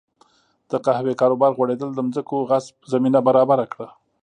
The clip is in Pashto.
د قهوې کاروبار غوړېدل د ځمکو غصب زمینه برابره کړه.